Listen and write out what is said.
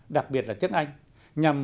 đặc biệt là tiếng anh nhằm